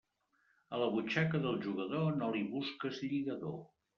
A la butxaca del jugador no li busques lligador.